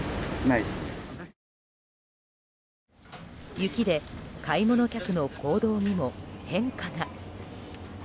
雪で買い物客の行動にも変化が。